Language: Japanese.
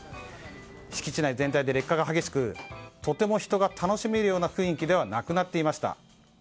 敷地内全体で劣化が激しくとても人が楽しめるような雰囲気ではなくなっていました。